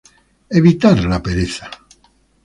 Evitar la pereza.